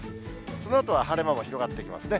そのあとは晴れ間も広がってきますね。